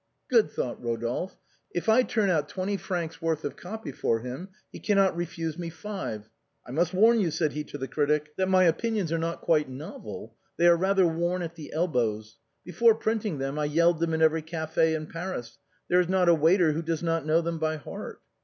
" Good," thought Kodolphe, " if I turn out twenty francs' worth of copy for him he cannot refuse me five. I must warn you," said he to the critic, " that my opinions are not quite novel. They are rather worn at the elbowa. Before printing them I yelled them in every café in Paris, there is not a waiter who does not know them by heart."